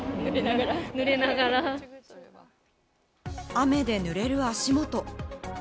雨でぬれる足元。